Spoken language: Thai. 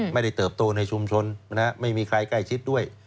เติบโตในชุมชนไม่มีใครใกล้ชิดด้วย